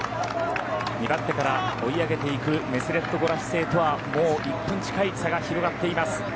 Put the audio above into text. ２番手から追い上げていくメセレット・ゴラ・シセイとはもう１分近い差が広がっています。